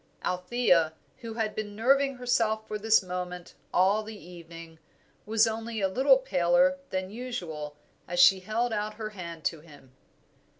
Althea, who had been nerving herself for this moment all the evening, was only a little paler than usual as she held out her hand to him.